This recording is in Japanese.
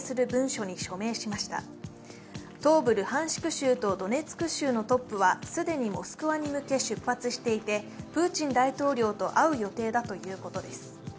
州とドネツク州のトップは既にモスクワに向け出発していて、プーチン大統領と会う予定だということです。